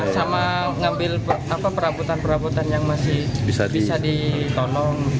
sama ngambil perabotan perabotan yang masih bisa ditonom